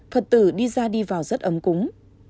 phật tử đi ra đi vào rất ấm cúng